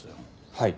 はい。